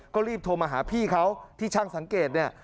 ก็รีบโทรมาหาพี่เขาที่ช่างสังเกตเนี่ย